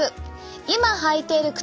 今履いている靴。